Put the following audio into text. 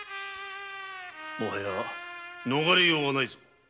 もはや逃れようはないぞ。